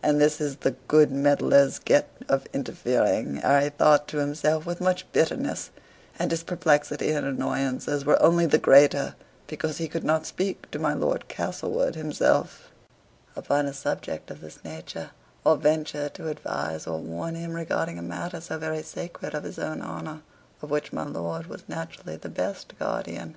"And this is the good meddlers get of interfering," Harry thought to himself with much bitterness; and his perplexity and annoyance were only the greater, because he could not speak to my Lord Castlewood himself upon a subject of this nature, or venture to advise or warn him regarding a matter so very sacred as his own honor, of which my lord was naturally the best guardian.